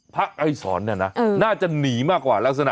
ไกรสอนเนี่ยนะน่าจะหนีมากกว่าลักษณะ